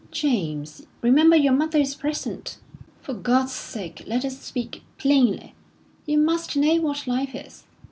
"James, remember your mother is present." "For God's sake, let us speak plainly. You must know what life is.